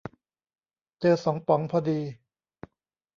เจอสองป๋องพอดี